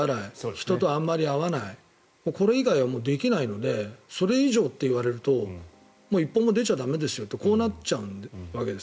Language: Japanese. それから、あまり人と会わないこれ以外はできないのでそれ以上といわれると一歩も出ちゃ駄目ですよとこうなっちゃうわけです。